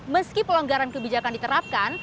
meski pelonggaran kebijakan diterapkan